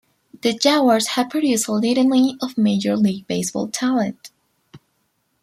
The Jaguars have produced a litany of Major League Baseball talent.